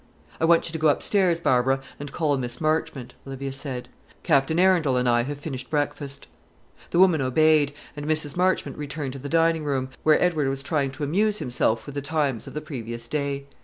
"I want you to go up stairs, Barbara, and call Miss Marchmont," Olivia said. "Captain Arundel and I have finished breakfast." The woman obeyed, and Mrs. Marchmont returned to the dining room, where Edward was trying to amuse himself with the "Times" of the previous day.